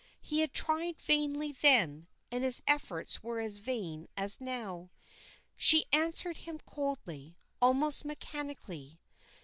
He had tried vainly then, and his efforts were as vain now. She answered him coldly, almost mechanically.